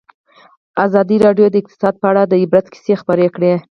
ازادي راډیو د اقتصاد په اړه د عبرت کیسې خبر کړي.